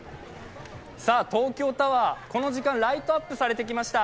東京タワー、この時間ライトアップされてきました。